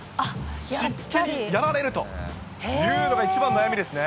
湿気にやられるというのが一番悩みですね。